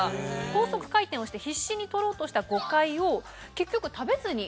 高速回転をして必死に取ろうとしたゴカイを結局。